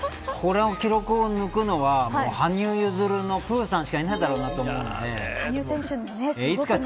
この記録を抜くのは羽生結弦のプーさんしかいないと思います。